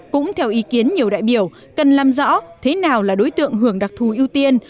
cũng theo ý kiến nhiều đại biểu cần làm rõ thế nào là đối tượng hưởng đặc thù ưu tiên